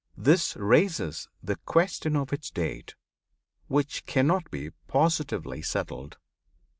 This raises the question of its date, which cannot be positively settled.